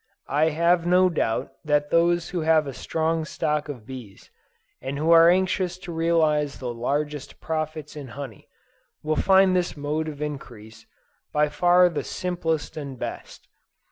I have no doubt that those who have a strong stock of bees, and who are anxious to realize the largest profits in honey, will find this mode of increase, by far the simplest and best.